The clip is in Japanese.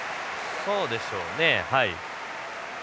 そうでしょうねはい。